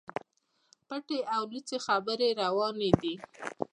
پټي او لڅي خبري رواني دي.